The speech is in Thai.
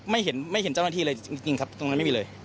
ไม่เห็นไม่เห็นเจ้าหน้าที่เลยจริงครับตรงนั้นไม่มีเลย